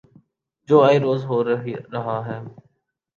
جو آئے روز ہو رہا ہے۔